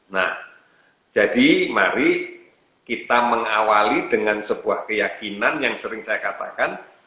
nah jadi mari kita mengawali dengan sebuah keyakinan yang sering saya katakan